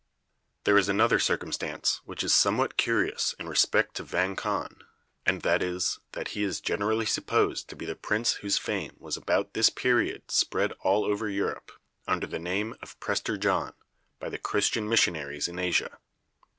There is another circumstance which is somewhat curious in respect to Vang Khan, and that is, that he is generally supposed to be the prince whose fame was about this period spread all over Europe, under the name of Prester John, by the Christian missionaries in Asia.